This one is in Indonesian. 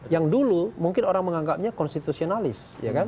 yang dulu mungkin orang menganggapnya konstitusionalis